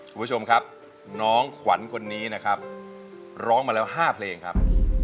คุณผู้ชมครับน้องขวัญคนนี้นะครับร้องมาแล้ว๕เพลงครับ